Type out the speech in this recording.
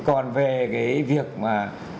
còn về cái việc mà